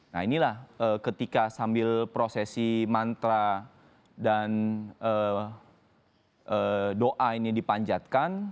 nah inilah ketika sambil prosesi mantra dan doa ini dipanjatkan